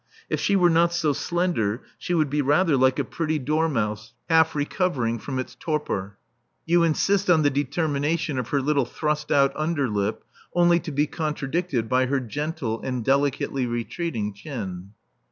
If she were not so slender she would be rather like a pretty dormouse half recovering from its torpor. You insist on the determination of her little thrust out underlip, only to be contradicted by her gentle and delicately retreating chin.